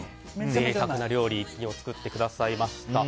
贅沢な料理を作ってくださいました。